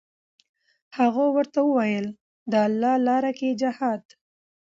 هغو ورته وویل: د الله لاره کې جهاد.